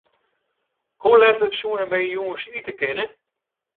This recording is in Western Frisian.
Hoe let soenen wy jûns ite kinne?